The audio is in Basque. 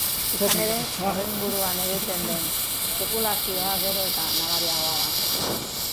Izan ere, horren inguruan egiten den espekulazioa gero eta nabariagoa da.